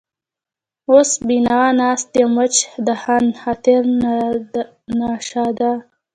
وس بېنوا ناست يم وچ دهن، خاطر ناشاده